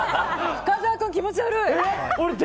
深澤君、気持ち悪い！